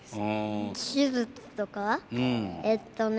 手術とかえっとね